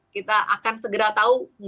kita akan segera tahu